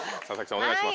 お願いします。